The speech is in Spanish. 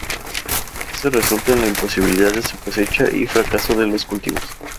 Esto resulta en la imposibilidad de su cosecha y el fracaso de los cultivos.